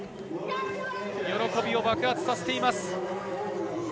喜びを爆発させています。